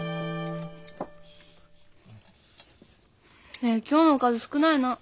ねえ今日のおかず少ないな。